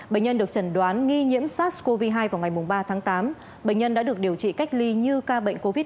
bệnh nhân được chẩn đoán nghi nhiễm sars cov hai vào ngày ba tháng tám bệnh nhân đã được điều trị cách ly như ca bệnh covid một mươi chín